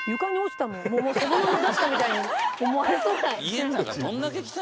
そのまま出したみたいに思われそうな。